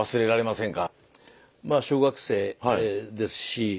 まあ小学生ですし。